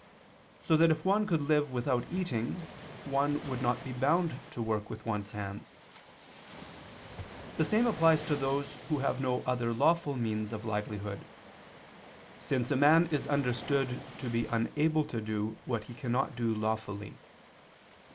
So that if one could live without eating, one would not be bound to work with one's hands. The same applies to those who have no other lawful means of livelihood: since a man is understood to be unable to do what he cannot do lawfully.